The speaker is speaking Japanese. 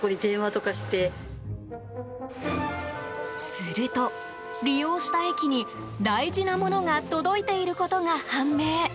すると、利用した駅に大事なものが届いていることが判明。